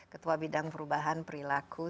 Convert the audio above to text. ketua bidang perubahan perilaku